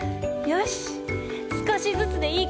よし。